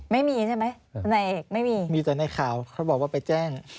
ไม่มีใช่ไหมในเอกไม่มีมีแต่ในข่าวเขาบอกว่าไปแจ้ง